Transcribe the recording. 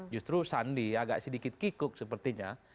justru sandi agak sedikit kikuk sepertinya